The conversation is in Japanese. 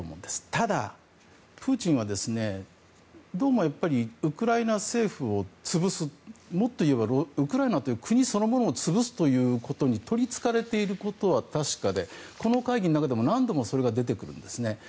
ただ、プーチンはどうもやっぱりウクライナ政府をつぶすと、もっと言えばウクライナという国そのものを潰すということに取りつかれていることは確かでこの会議の中でも何度も出てきているんですね。